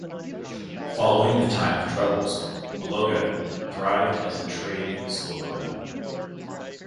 Following the Time of Troubles, Mologa thrived as a trade "sloboda".